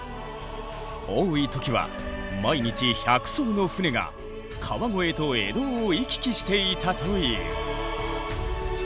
多い時は毎日１００艘の船が川越と江戸を行き来していたという。